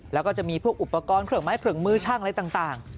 แล้วก็จะมีพวกอุปกรณ์เครื่องไม้เครื่องมือช่างอะไรต่าง